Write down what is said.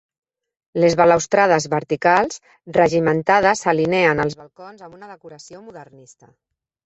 Les balustrades verticals regimentades s'alineen als balcons amb una decoració modernista.